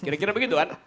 kira kira begitu kan